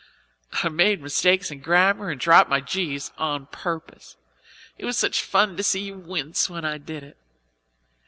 I made mistakes in grammar and dropped my g's on purpose it was such fun to see you wince when I did it.